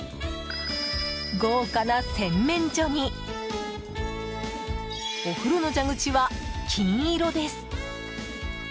豪華な洗面所にお風呂の蛇口は金色です。